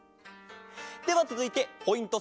ではつづいてポイント